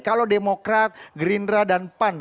kalau demokrat gerindra dan pan